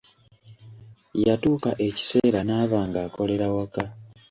Yatuuka ekiseera n'aba ng'akolera waka.